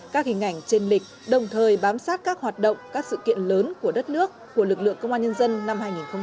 các hình ảnh trên lịch đồng thời bám sát các hoạt động các sự kiện lớn của đất nước của lực lượng công an nhân dân năm hai nghìn hai mươi ba